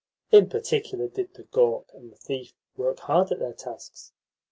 In particular did the "gawk" and the "thief" work hard at their tasks.